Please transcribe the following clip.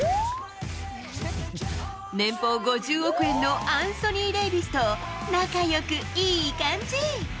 年俸５０億円のアンソニー・デイビスと仲よくいい感じ。